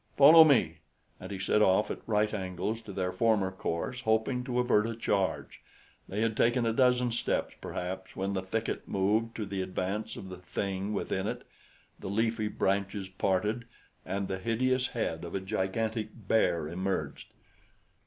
Follow me." And he set off at right angles to their former course, hoping to avert a charge. They had taken a dozen steps, perhaps, when the thicket moved to the advance of the thing within it, the leafy branches parted, and the hideous head of a gigantic bear emerged.